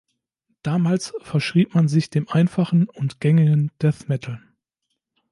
Damals verschrieb man sich dem einfachen und gängigen Death Metal.